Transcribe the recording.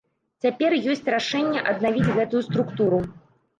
Цяпер ёсць рашэнне аднавіць гэтую структуру.